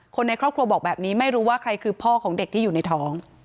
คนในครอบครัวบอกแบบนี้ไม่รู้ว่าใครคือพ่อของเด็กที่อยู่ในท้อง